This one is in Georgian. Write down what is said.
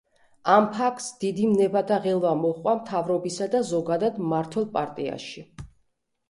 ამ ფაქტს დიდი ვნებათაღელვა მოჰყვა მთავრობისა და ზოგადად, მმართველი პარტიაში.